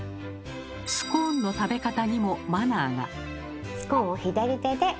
スコーンの食べ方にもマナーが。